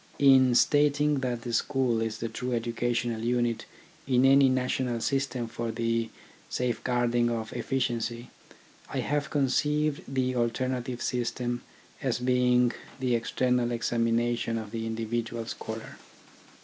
In stating that the school is the true educa tional unit in any national system for the safe guarding of efficiency, I have conceived the alternative system as being the external examina tion of the individual scholar.